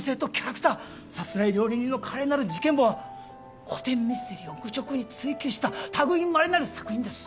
『さすらい料理人の華麗なる事件簿』は古典ミステリーを愚直に追求した類いまれなる作品です